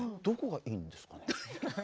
どこがいいんですかね？